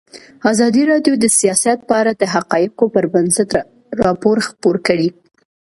ازادي راډیو د سیاست په اړه د حقایقو پر بنسټ راپور خپور کړی.